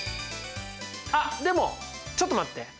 あっでもちょっと待って。